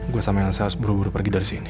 gue sama elsa harus buru buru pergi dari sini